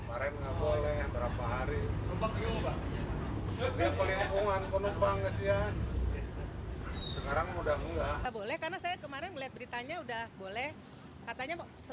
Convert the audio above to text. aptb boleh masuk jakarta